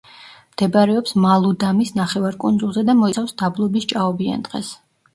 მდებარეობს მალუდამის ნახევარკუნძულზე და მოიცავს დაბლობის ჭაობიან ტყეს.